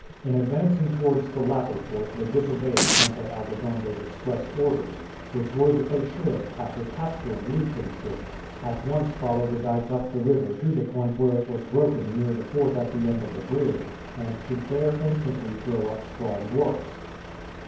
In advancing towards the latter fort they disobeyed Sainte Aldegonde's express orders, which were that they should, after capturing Liefkenshoek, at once follow the dyke up the river to the point where it was broken near the fort at the end of the bridge, and should there instantly throw up strong works.